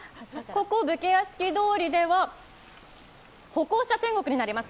ここ、武家屋敷通りでは歩行者天国になります。